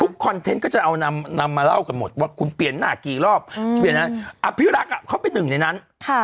คอนเทนต์ก็จะเอานำมาเล่ากันหมดว่าคุณเปลี่ยนหน้ากี่รอบอภิรักษ์เขาเป็นหนึ่งในนั้น